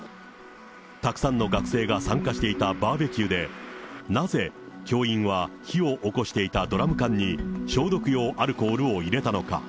たくさんの学生が参加していたバーベキューで、なぜ教員は火をおこしていたドラム缶に消毒用アルコールを入れたのか。